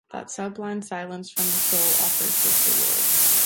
That sublime silence from the soul offers rich reward.